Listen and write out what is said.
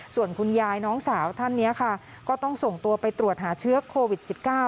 ส่วนคุณยายน้องสาวท่านนี้ค่ะก็ต้องส่งตัวไปตรวจหาเชื้อโควิด๑๙